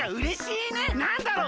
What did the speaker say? なんだろう？